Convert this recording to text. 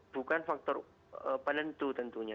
bukan faktor penentu tentunya